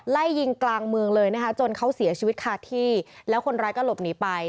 ไล่ยิงกลางเมืองเลยนะคะจนเขาเสียชีวิตคาที่แล้วคนร้ายก็หลบหนีไป